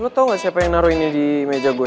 lo tau nggak siapa yang naro ini di meja gue